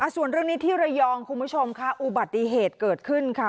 ส่วนเรื่องนี้ที่ระยองคุณผู้ชมค่ะอุบัติเหตุเกิดขึ้นค่ะ